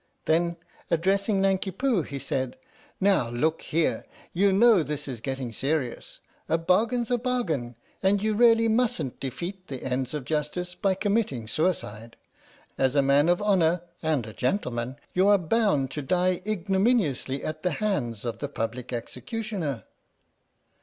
Then, addressing Nanki Poo, he said: " Now look here, you know this is getting serious. A bargain 's a bargain, and you really mustn't defeat the ends of justice by committing suicide. As a man of honour and a gentleman you are bound to die igno miniously at the hands of the Public Executioner."